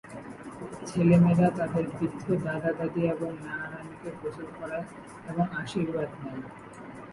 ছেলেমেয়েরা তাদের বৃদ্ধ দাদা-দাদী এবংনানা-নানীকে গোসল করায় এবং আশীর্বাদ নেয়।